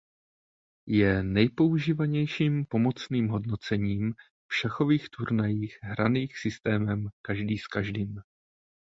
Je nejpoužívanějším pomocným hodnocením v šachových turnajích hraných systémem každý s každým.